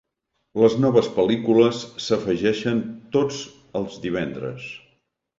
Les noves pel·lícules s'afegeixen tots els divendres.